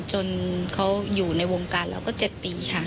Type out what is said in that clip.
จนเขาอยู่ในวงการเราก็๗ปีค่ะ